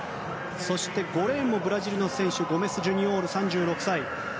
そして５レーンもブラジルの選手ゴメス・ジュニオール、３６歳。